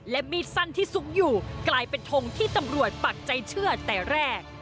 และมีดสั้นที่ซุกอยู่กลายเป็นทงที่ตำรวจปักใจเชื่อแต่แรก